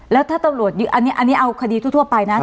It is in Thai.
แล้วถ้าตำรวจยึดอันนี้เอาคดีทั่วไปนะ